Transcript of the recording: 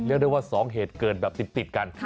เรียกได้ว่า๒เหตุเกิดแบบติดกัน